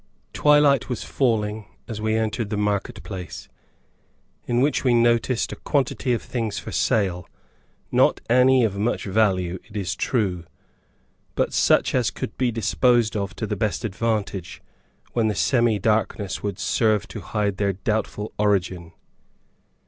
Twilight was falling, as we entered the market place, in which we noticed a quantity of things for sale, not any of much value, it is true, but such as could be disposed of to the best advantage when the semi darkness would serve to hide their doubtful origin.